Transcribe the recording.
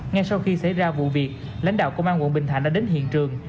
ngay sau khi xảy ra vụ việc lãnh đạo công an quận bình thạnh đã đến hiện trường